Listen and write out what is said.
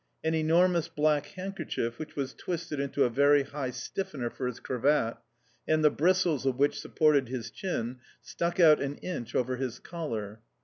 An enormous black handkerchief, which was twisted into a very high stiffener for his cravat, and the bristles of which supported his chin, stuck out an inch over his collar.